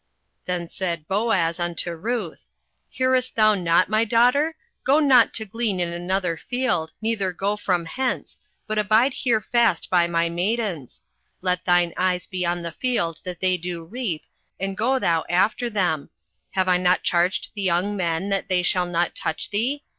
08:002:008 Then said Boaz unto Ruth, Hearest thou not, my daughter? Go not to glean in another field, neither go from hence, but abide here fast by my maidens: 08:002:009 Let thine eyes be on the field that they do reap, and go thou after them: have I not charged the young men that they shall not touch thee?